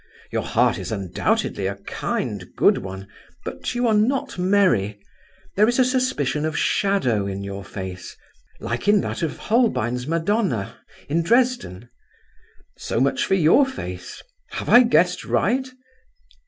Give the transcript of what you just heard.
Your heart is undoubtedly a kind, good one, but you are not merry. There is a certain suspicion of 'shadow' in your face, like in that of Holbein's Madonna in Dresden. So much for your face. Have I guessed right?